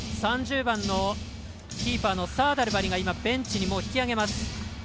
３０番のキーパーのサーダルバリがベンチに引き揚げます。